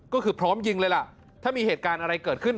ก็คือพร้อมยิงเลยล่ะถ้ามีเหตุการณ์อะไรเกิดขึ้น